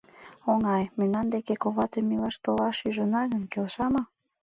— Оҥай, мемнан деке коватым илаш толаш ӱжына гын, келша мо?